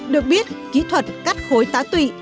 được biết kỹ thuật cắt khối tá tụy